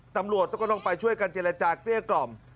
ตำรวจต้องลงไปช่วยกันเจรจาเกลี้ยกล่อม